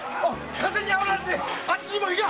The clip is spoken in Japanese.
風に煽られてあっちにも火が！